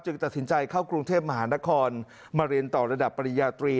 ตัดสินใจเข้ากรุงเทพมหานครมาเรียนต่อระดับปริญญาตรี